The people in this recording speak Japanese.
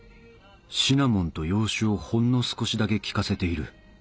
シナモンと洋酒をほんの少しだけ効かせている。